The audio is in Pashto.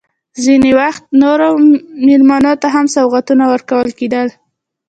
ځینې وخت نورو مېلمنو ته هم سوغاتونه ورکول کېدل.